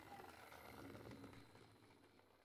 竖牛立叔孙昭子来辅佐他。